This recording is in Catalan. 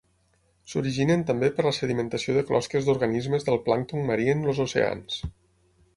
S'originen també per la sedimentació de closques d'organismes del plàncton marí en els oceans.